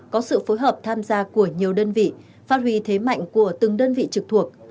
có sự phối hợp tham gia của nhiều đơn vị phát huy thế mạnh của từng đơn vị trực thuộc